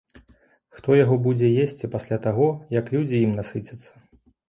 Хто яго будзе есці пасля таго, як людзі ім насыцяцца?